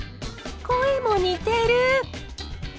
声も似てる。